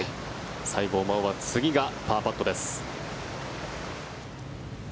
西郷真央は次がパーパットです。